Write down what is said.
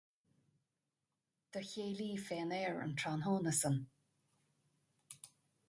Do chéilí faoin aer an tráthnóna sin.